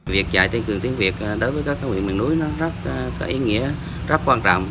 việc dạy tăng cường tiếng việt đối với các huyện miền núi nó rất có ý nghĩa rất quan trọng